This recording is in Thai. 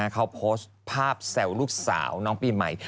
เขาโพสต์ภาพแซวลูกสาวน้องปีใหม่